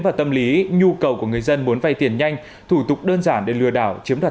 và tâm lý nhu cầu của người dân muốn vay tiền nhanh thủ tục đơn giản để lừa đảo chiếm đoạt